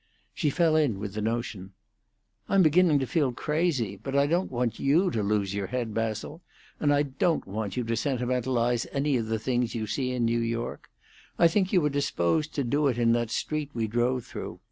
She fell in with the notion. "I'm beginning to feel crazy. But I don't want you to lose your head, Basil. And I don't want you to sentimentalize any of the things you see in New York. I think you were disposed to do it in that street we drove through.